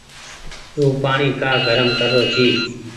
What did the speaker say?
تو پآڻيٚ ڪآ گرم ڪر رو ڇي۔